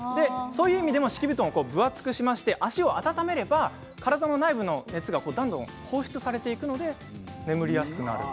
そういう意味でも敷布団を分厚くして足を温めれば体の内部の熱が放出できて眠りやすくなる